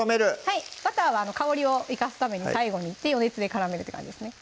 はいバターは香りを生かすために最後に余熱で絡めるって感じですね